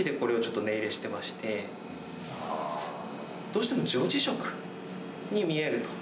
どうしても女児色に見えると。